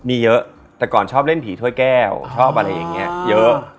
มีเยอะแต่ก่อนชอบเล่นผีถ้วยแก้วชอบอะไรอย่างนี้เยอะ